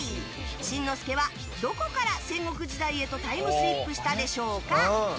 しんのすけはどこから戦国時代へとタイムスリップしたでしょうか。